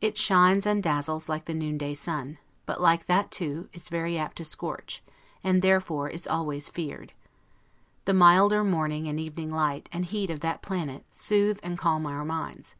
It shines and dazzles like the noon day sun, but, like that too, is very apt to scorch; and therefore is always feared. The milder morning and evening light and heat of that planet soothe and calm our minds.